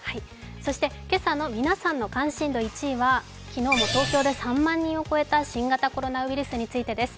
そして今朝の皆さんの関心度１位は昨日も東京で３万人を超えた新型コロナウイルスについてです。